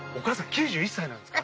９１歳なんですか？